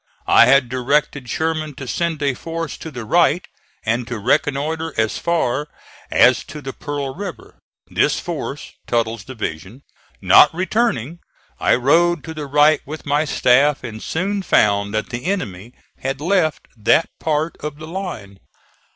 I had directed Sherman to send a force to the right, and to reconnoitre as far as to the Pearl River. This force, Tuttle's division, not returning I rode to the right with my staff, and soon found that the enemy had left that part of the line.